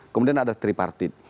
kemudian ada tripartit